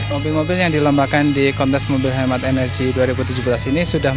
mobil mobil yang dilombakan di kontes mobil hemat energi dua ribu tujuh belas ini sudah